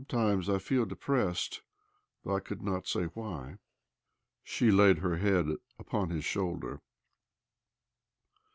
Sometimes I feel depressed, though I could not say why." She laid her head upon his shoulder.